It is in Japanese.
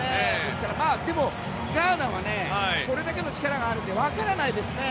でもガーナはこれだけの力があるので分からないですよね。